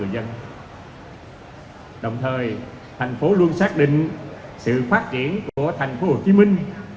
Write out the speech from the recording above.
đồng thời thành phố luôn xác định sự phát triển của thành phố hồ chí minh